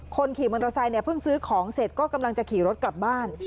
ขี่มอเตอร์ไซค์เนี่ยเพิ่งซื้อของเสร็จก็กำลังจะขี่รถกลับบ้าน